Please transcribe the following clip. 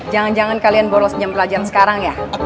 jangan jangan kalian boros nyamper lajaran sekarang ya